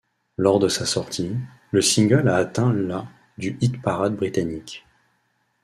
Lors de sa sortie, le single a atteint la du hit-parade britannique.